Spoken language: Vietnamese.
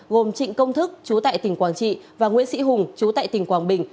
gồm trịnh công thức chú tại tỉnh quảng trị và nguyễn sĩ hùng chú tại tỉnh quảng bình